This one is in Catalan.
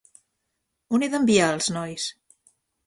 On he d'enviar els nois?